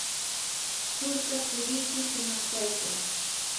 sulka tsurikiy shumaq kaykan.